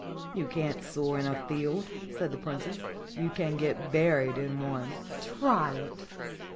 "You can't soar in a field," said the Princess. "You can get buried in one. Try it.